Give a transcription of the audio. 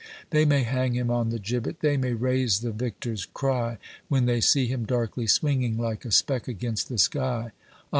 They may hang him on the gibbet ; they may raise the vic tor's cry, When thdy see him darkly swinging like a speck against the sky; — Ah